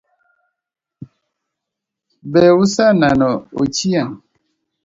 Be use neno Ochieng?